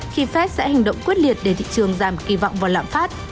khi fed sẽ hành động quyết liệt để thị trường giảm kỳ vọng vào lạm phát